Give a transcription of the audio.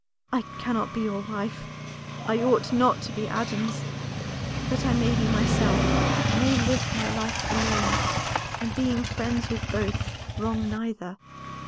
I cannot be your wife, I ought not to be Adam's; but I may be myself, may live my life alone, and being friends with both wrong neither.